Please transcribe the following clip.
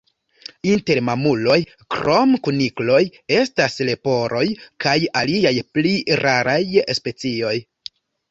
Inter mamuloj, krom kunikloj, estas leporoj kaj aliaj pli raraj specioj.